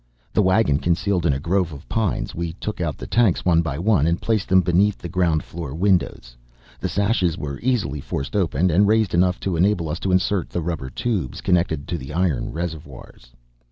The wagon concealed in a grove of pines, we took out the tanks one by one, and placed them beneath the ground floor windows. The sashes were easily forced open, and raised enough to enable us to insert the rubber tubes connected with the iron reservoirs.